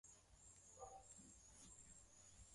Bado hali ya mazingira haijawa nzuri katika maeneo yafuatayo